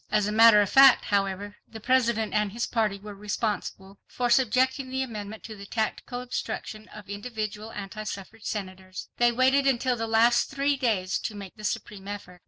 As a matter of fact, however, the President and his party were responsible for subjecting the amendment to the tactical obstruction of individual anti suffrage Senators. They waited until the last three days to make the supreme effort.